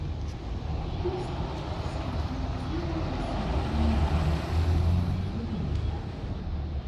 Популарноста на нишките е измерена со бројот на одговорите на форумите.